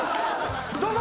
どうぞ！